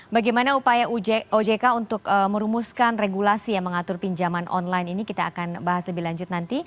bagaimana upaya ojk untuk merumuskan regulasi yang mengatur pinjaman online ini kita akan bahas lebih lanjut nanti